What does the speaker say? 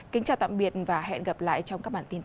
kính chào tạm biệt và hẹn gặp lại